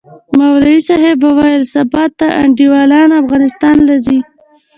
مولوي صاحب وويل سبا د تا انډيوالان افغانستان له زي؟